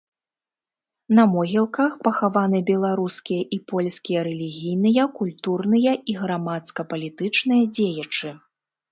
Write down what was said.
На могілках пахаваны беларускія і польскія рэлігійныя, культурныя і грамадска-палітычныя дзеячы.